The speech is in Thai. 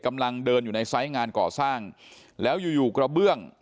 กำลังเดินอยู่ในไซส์งานก่อสร้างแล้วอยู่อยู่กระเบื้อง